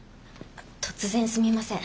突然すみません。